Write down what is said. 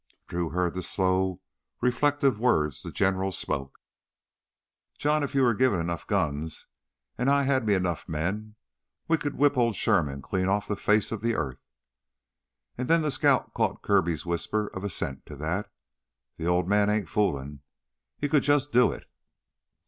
Drew heard the slow, reflective words the General spoke: "John, if you were given enough guns, and I had me enough men, we could whip old Sherm clean off the face of the earth!" And then the scout caught Kirby's whisper of assent to that. "The old man ain't foolin'; he could jus' do it!"